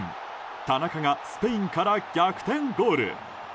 田中がスペインから逆転ゴール。